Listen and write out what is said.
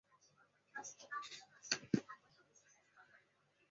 小花吊兰为百合科吊兰属的植物。